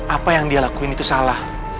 apa yang dia lakuin itu salah